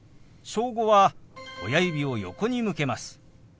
「小５」は親指を横に向けます。